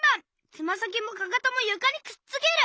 「つまさきもかかともゆかにくっつける」！